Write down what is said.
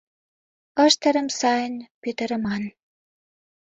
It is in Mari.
Ыштырым сайын пӱтырыман.